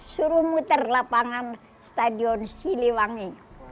suruh muter lapangan stadion siliwangi